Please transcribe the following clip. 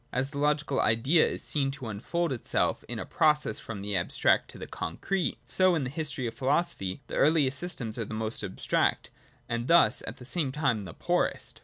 As the logical Idea is seen to unfold itself in a process from the abstract to the concrete, so in the history of philosophy the earliest systems are the most abstract, and thus at the same time the poorest.